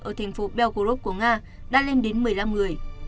ở thành phố belgorok của nga đã lên đến một mươi năm người